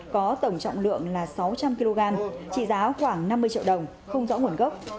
có tổng trọng lượng là sáu trăm linh kg trị giá khoảng năm mươi triệu đồng không rõ nguồn gốc